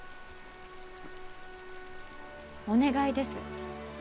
お願いです。